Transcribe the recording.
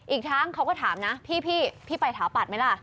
อีกทั้งเขาก็ถามนะพี่พี่ไปถาปัตย์ไหมล่ะ